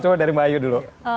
coba dari mbak ayu dulu